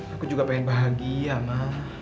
aku juga pengen bahagia